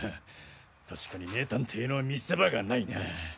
確かに名探偵の見せ場がないな。